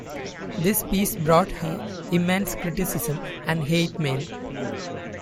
This piece brought her immense criticism and hate mail.